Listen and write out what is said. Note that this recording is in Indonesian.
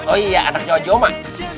oh iya anak jawa jawa emang